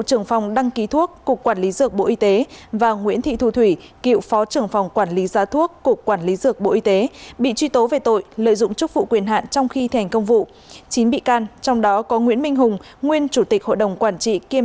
các bạn hãy đăng ký kênh để ủng hộ kênh của chúng mình nhé